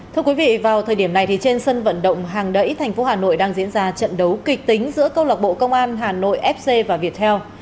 thưa quý vị vào thời điểm này trên sân vận động hàng đẩy thành phố hà nội đang diễn ra trận đấu kịch tính giữa câu lạc bộ công an hà nội fc và viettel